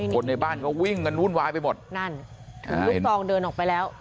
คนในบ้านก็วิ่งกันวุ่นวายไปหมดนั่นถือลูกซองเดินออกไปแล้ว